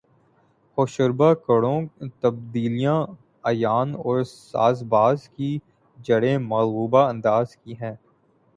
ہوشربا کڑوی تبدیلیاں عیاں اور سازباز کی جڑیں ملغوبہ انداز کی ہیں